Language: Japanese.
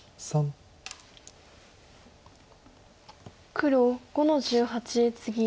黒５の十八ツギ。